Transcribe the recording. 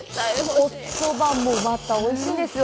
おそばもまたおいしいんですよ。